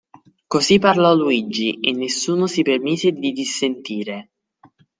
Così parlò Luigi, e nessuno si permise di dissentire.